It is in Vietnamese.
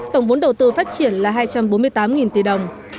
tổng vốn đầu tư phát triển là hai trăm bốn mươi tám tỷ đồng